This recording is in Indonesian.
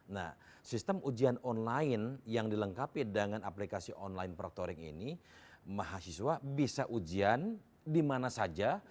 nah sistem ujian online yang dilengkapi dengan aplikasi online proctoring ini mahasiswa bisa ujian dimana saja